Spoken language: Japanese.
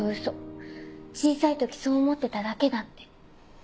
小さいときそう思ってただけだって。